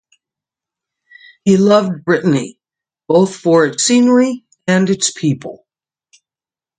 He loved Brittany, both for its scenery and its people.